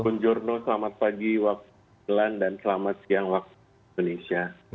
buong giorno selamat pagi waktu milan dan selamat siang waktu indonesia